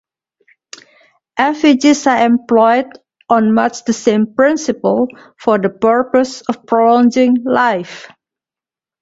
Effigies are employed on much the same principle for the purpose of prolonging life.